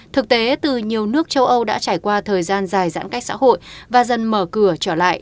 thực tế từ nhiều nước châu âu đã trải qua thời gian dài giãn cách xã hội và dần mở cửa trở lại